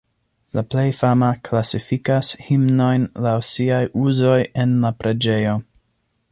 La plej fama klasifikas himnojn laŭ siaj uzoj en la preĝejo.